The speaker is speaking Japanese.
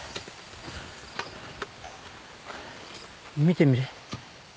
見てみれ。